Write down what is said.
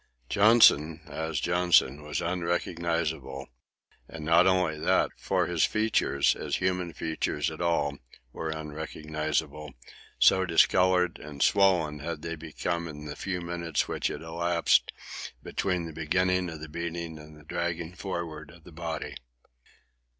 Johnson, as Johnson, was unrecognizable; and not only that, for his features, as human features at all, were unrecognizable, so discoloured and swollen had they become in the few minutes which had elapsed between the beginning of the beating and the dragging forward of the body.